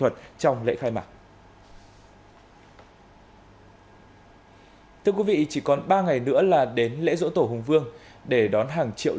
trong lễ khai mạc thưa quý vị chỉ còn ba ngày nữa là đến lễ dỗ tổ hùng vương để đón hàng triệu